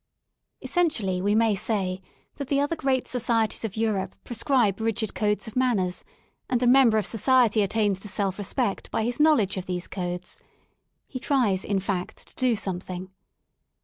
Essentially we may say that the other great societies of Europe prescribe rigid codes of manners^and a mem ber of society attains to self respect by his knowledge of these codes. He tries in fact to do something.